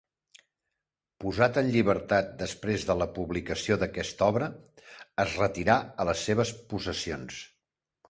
Posat en llibertat després de la publicació d'aquesta obra, es retirà a les seves possessions.